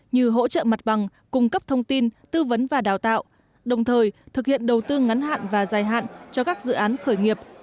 như hỗ trợ mặt bằng cung cấp thông tin tư vấn và đào tạo đồng thời thực hiện đầu tư ngắn hạn và dài hạn cho các dự án khởi nghiệp